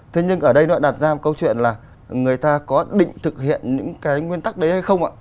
thế nhưng ở đây nó đặt ra một câu chuyện là người ta có định thực hiện những cái nguyên tắc đấy hay không ạ